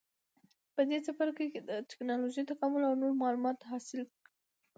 په دې څپرکي کې به د ټېکنالوجۍ تکامل او نور معلومات حاصل کړئ.